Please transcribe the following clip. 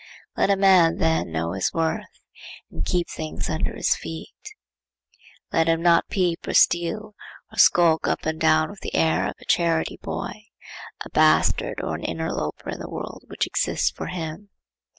Let a man then know his worth, and keep things under his feet. Let him not peep or steal, or skulk up and down with the air of a charity boy, a bastard, or an interloper in the world which exists for him.